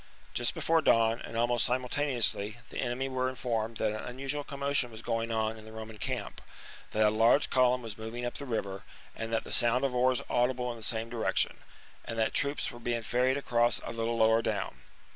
Just before dawn and almost simultaneously the enemy were informed that an unusual commotion was going on in the Roman camp ; that a large column was moving up the river, and the sound of oars audible in the same direction ; and that troops were being ferried across a little lower down.